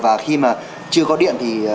và khi mà chưa có điện thì